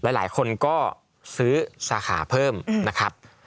หลายคนก็ซื้อสาขาเพิ่มนะครับ